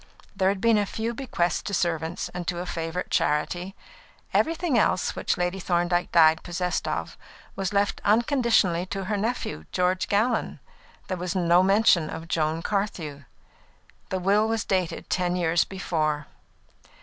There had been a few bequests to servants and to a favourite charity. Everything else which Lady Thorndyke died possessed of was left unconditionally to her nephew, George Gallon. There was no mention of Joan Carthew. The will was dated ten years before.